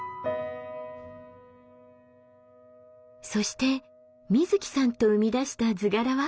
そしてみずきさんと生み出した図柄は。